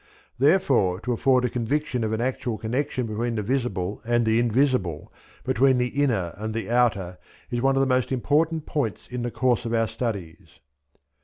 Therefore to afford conviction of an actual connection between the visible and the invisible, between the inner and the outer, is one of the most important points in the course of our studies.